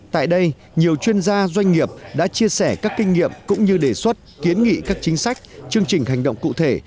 tại đây nhiều chuyên gia doanh nghiệp đã chia sẻ các kinh nghiệm cũng như đề xuất kiến nghị các chính sách chương trình hành động cụ thể